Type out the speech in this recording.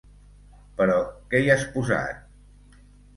Però què hi has posat?